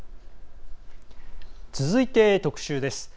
続いて、特集です。